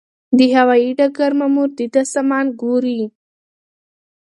د هوايي ډګر مامور د ده سامان ګوري.